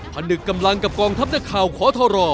ผนึกกำลังกับกองทัพนักข่าวขอทร